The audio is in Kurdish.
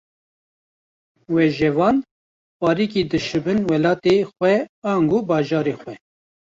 Wêjevan, parîkî dişibin welatê xwe ango bajarê xwe